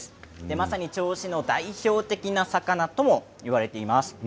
まさに銚子の代表的な魚ともいわれています。